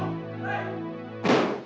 ayo hadapi mereka